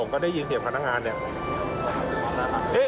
ก็ได้ยินเสียงพนักงานเนี่ย